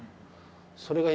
それが今、